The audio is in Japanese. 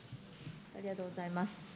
ありがとうございます。